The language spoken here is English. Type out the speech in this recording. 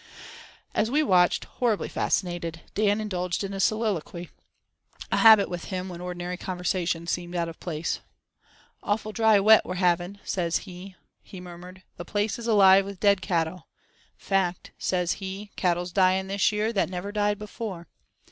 As we watched, horribly fascinated, Dan indulged in a soliloquy—a habit with him when ordinary conversation seemed out of place. "'Awful dry Wet we're having,' sez he," he murmured, "'the place is alive with dead cattle.' 'Fact,' sez he, 'cattle's dying this year that never died before.